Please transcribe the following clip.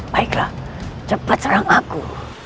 baiklah cepat serang aku